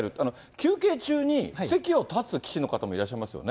休憩中に席を立つ棋士の方もいらっしゃいますよね。